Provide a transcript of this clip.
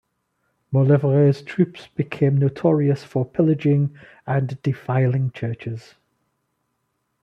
Mauleverer's troops became notorious for pillaging and defiling churches.